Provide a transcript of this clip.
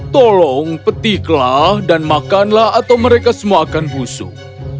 tolong petiklah dan makanlah atau mereka semua akan busuk